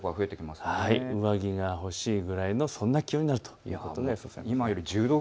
上着が欲しいくらいのそんな気温になるということが予想されます。